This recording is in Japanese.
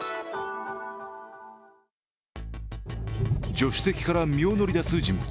助手席から身を乗り出す人物。